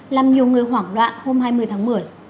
làm nhiều người hoảng loạn hôm hai mươi tháng một mươi